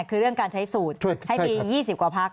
คือเรื่องการใช้สูตรให้มี๒๐กว่าพัก